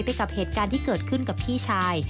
กับเหตุการณ์ที่เกิดขึ้นกับพี่ชาย